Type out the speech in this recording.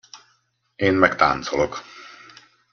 Én meg táncolok!